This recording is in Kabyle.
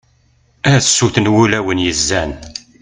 a sut n wulawen yezzan